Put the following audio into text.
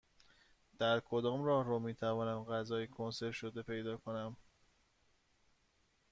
در کدام راهرو می توانم غذای کنسرو شده پیدا کنم؟